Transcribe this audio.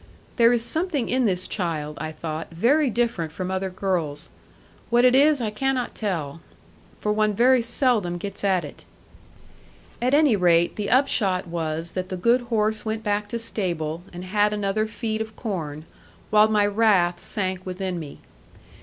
'There is something in this child,' I thought, 'very different from other girls. What it is I cannot tell; for one very seldom gets at it.' At any rate the upshot was that the good horse went back to stable, and had another feed of corn, while my wrath sank within me.